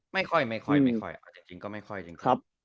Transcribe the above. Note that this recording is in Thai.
ไม่ค่อยอาจจะจริงก็ไม่ค่อยจริง